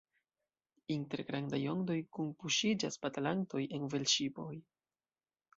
Inter grandaj ondoj kunpuŝiĝas batalantoj en velŝipoj.